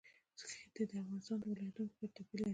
ښتې د افغانستان د ولایاتو په کچه توپیر لري.